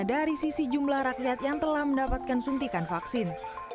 dari sisi jumlah rakyat yang telah mendapatkan suntikan vaksin